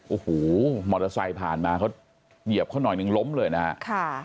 โอ้โหมอเตอร์ไซค์ผ่านมาเขาเหยียบเขาหน่อยหนึ่งล้มเลยนะฮะค่ะ